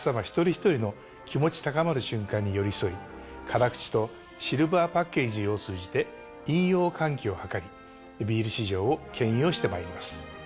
一人一人の気持ち高まる瞬間に寄り添い辛口とシルバーパッケージを通じて飲用喚起を図りビール市場をけん引をしてまいります。